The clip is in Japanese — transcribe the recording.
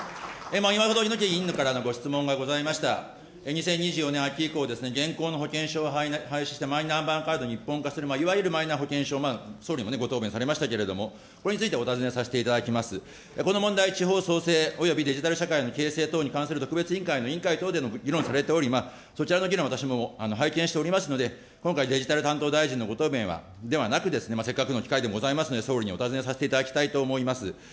今、柚木委員からのご質問がございました、２０２４年秋以降、現行の保険証を廃止してマイナンバーカードに一本化する、いわゆるマイナ保険証、総理もご答弁されましたけれども、これについてお尋ねをさせてこの問題、地方創生およびデジタル社会の形成等に関する特別委員会の委員会等でも議論されており、そちらの議論、私も拝見しておりますので、今回デジタル担当大臣のご答弁ではなく、せっかくの機会でもございますので、総理にお尋ねをさせていただきたいと思います。